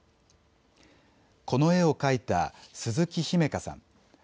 この絵を描いた鈴木姫花さん。